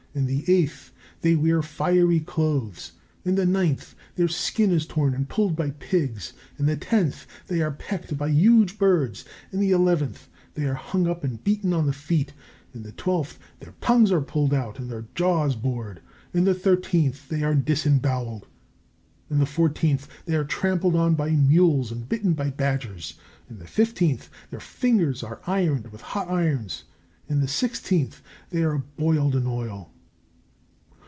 In the eighth, they wear fiery clothes. In the ninth, their skin is torn and pulled by pigs. In the tenth, they are pecked by huge birds. In the eleventh, they are hung up and beaten on the feet. In the twelfth, their tongues are pulled out and their jaws bored. In the thirteenth, they are disembowelled. In the fourteenth, they are trampled on by mules and bitten by badgers. In the fifteenth, their fingers are ironed with hot irons. In the sixteenth, they are boiled in oil.